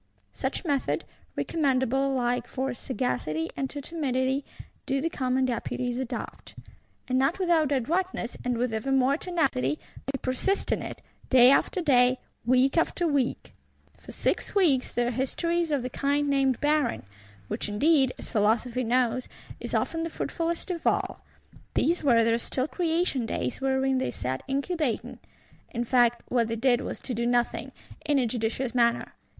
Such method, recommendable alike to sagacity and to timidity, do the Commons Deputies adopt; and, not without adroitness, and with ever more tenacity, they persist in it, day after day, week after week. For six weeks their history is of the kind named barren; which indeed, as Philosophy knows, is often the fruitfulest of all. These were their still creation days; wherein they sat incubating! In fact, what they did was to do nothing, in a judicious manner.